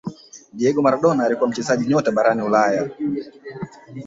Diego Maradona alikuwa mchezaji nyota barani ulaya